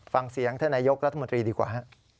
ฟังเสียงท่านนายกรัฐมนตรีดีกว่า